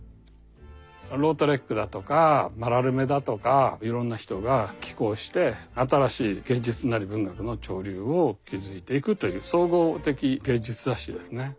ロートレックだとかマラルメだとかいろんな人が寄稿して新しい芸術なり文学の潮流を築いていくという総合的芸術雑誌ですね。